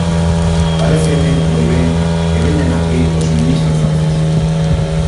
Paréceme moi ben que veñan aquí os ministros franceses.